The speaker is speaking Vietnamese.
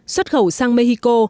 xuất khẩu sang mexico